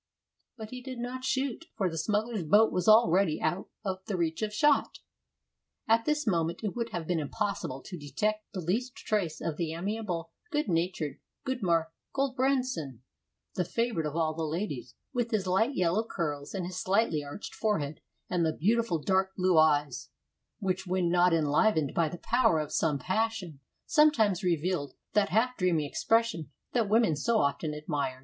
But he did not shoot, for the smugglers' boat was already out of the reach of shot. At this moment it would have been impossible to detect the least trace of the amiable, good natured Gudmar Guldbrandsson, the favorite of all the ladies, with his light yellow curls and his slightly arched forehead, and the beautiful dark blue eyes, which when not enlivened by the power of some passion, sometimes revealed that half dreamy expression that women so often admire.